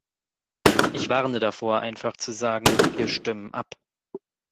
Ich warne davor, einfach zu sagen, wir stimmen ab.